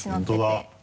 本当だ。